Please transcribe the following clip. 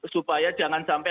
supaya jangan sampai